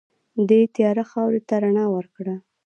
دې تیاره خاورې ته رڼا ورکړه.